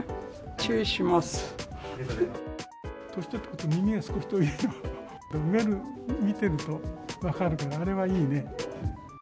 年取ってくると耳が遠いでしょ、目で見てると分かるから、あれはいいね。